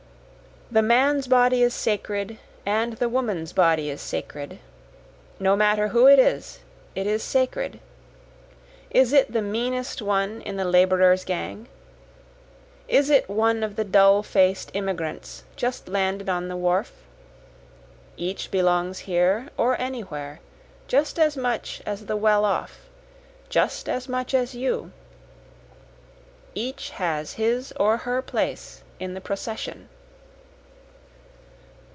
The man's body is sacred and the woman's body is sacred, No matter who it is, it is sacred is it the meanest one in the laborers' gang? Is it one of the dull faced immigrants just landed on the wharf? Each belongs here or anywhere just as much as the well off, just as much as you, Each has his or her place in the procession.